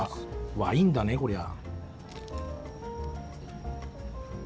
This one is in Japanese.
ワインだねこりゃ。